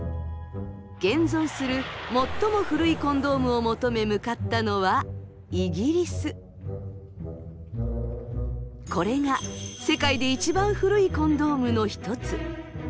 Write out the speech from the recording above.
現存する最も古いコンドームを求め向かったのはこれが世界で一番古いコンドームの一つ。